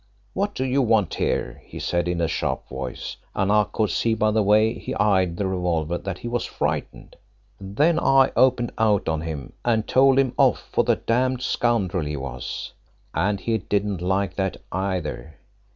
'What do you want here?' he said, in a sharp voice, and I could see by the way he eyed the revolver that he was frightened. Then I opened out on him and told him off for the damned scoundrel he was. And he didn't like that either.